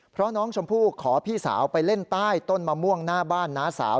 เพราะน้องชมพู่ขอพี่สาวไปเล่นใต้ต้นมะม่วงหน้าบ้านน้าสาว